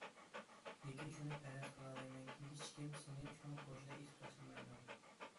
لېكىن شۇنى پەرەز قىلالايمەنكى ھېچكىن سېنى چوڭ كوچىدا ئېتىپ تاشلىمايدۇ.